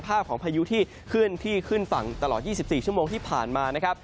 ภาพของพายุที่ขึ้นที่ขึ้นฝั่งตลอด๒๔ชั่วโมงที่ผ่านมา